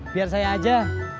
biar saya aja